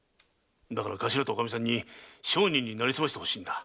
だから頭とおかみさんに商人に成り済ましてほしいんだ。